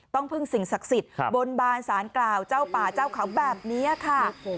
ต้องพึ่งสิ่งศักดิ์สิทธิ์บนบานสารกล่าวเจ้าป่าเจ้าเขาแบบนี้ค่ะ